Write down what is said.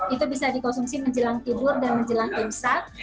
itu bisa dikonsumsi menjelang tidur dan menjelang imsak